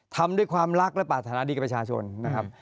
ทำด้วยความรักและปรารถนาดีกับประชาชนนะครับ